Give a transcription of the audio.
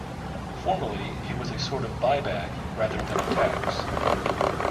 Formally it was a sort of buy-back rather than a tax.